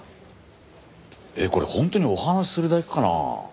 えっこれ本当にお話するだけかなあ？